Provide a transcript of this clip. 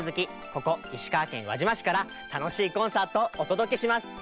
ここ石川県輪島市からたのしいコンサートをおとどけします！